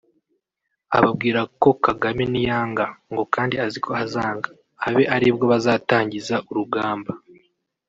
Ababwira ko Kagame niyanga [ ngo kandi aziko azanga] abe aribwo bazatangiza urugamba